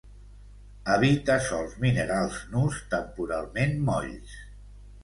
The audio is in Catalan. Habita sòls minerals nus temporalment molls.